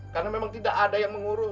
karena memang tidak ada yang mengungkapku